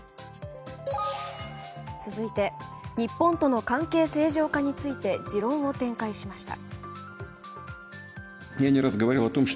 続いて日本との関係正常化について持論を展開しました。